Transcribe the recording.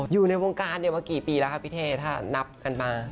อยู่ในวงการมากี่ปีแล้วครับพี่เทถ้านับกันมา